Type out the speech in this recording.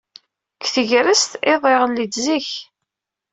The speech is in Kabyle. Deg tegrest, iḍ iɣelli-d zik.